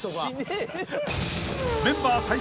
［メンバー最